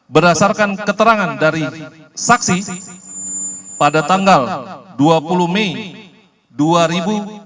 berdasarkan keterangan dari saksi pada tanggal dua puluh mei dua ribu dua puluh